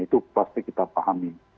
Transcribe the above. itu pasti kita pahami